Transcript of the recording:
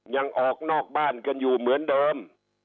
ยังออกนอกบ้านกันอยู่เหมือนเดิม